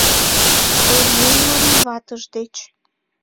Оръеҥ марий ватыж деч —